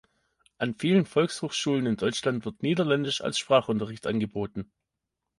An vielen Volkshochschulen in Deutschland wird Niederländisch als Sprachunterricht angeboten.